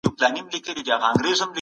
د بدن قوت لپاره حبوبات وخورئ.